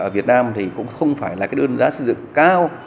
việt nam cũng không phải là đơn giá xây dựng cao